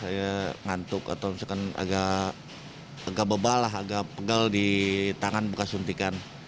agak ngantuk atau agak bebal agak pegal di tangan bekas suntikan